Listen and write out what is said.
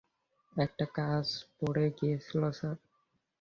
একটা কাজ পড়ে গিয়েছিল স্যার।